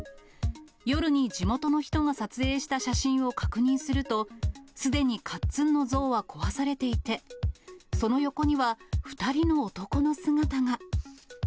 夜に地元の人が撮影した写真を確認すると、すでにかっつんの像は壊されていて、その横には、２人の男の姿が。